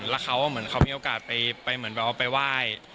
แล้วเค้าเหมือนเค้ามีโอกาสไปไปเว้าไว้